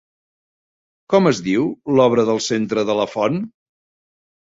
Com es diu l'obra del centre de la font?